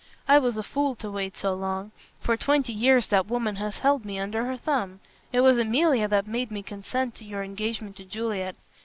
"I was a fool to wait so long. For twenty years that woman has held me under her thumb. It was Emilia that made me consent to your engagement to Juliet.